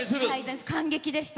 感激でした。